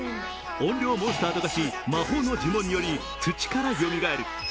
怨霊モンスターと化し魔法の呪文により土からよみがえる。